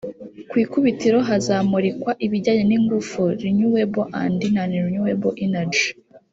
ku ikubitiro hakazamurikwa ibijyanye n’ingufu (Renewable and non renewable energy)